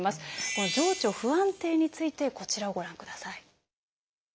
この情緒不安定についてこちらをご覧ください。